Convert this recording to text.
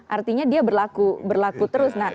artinya dia berlaku terus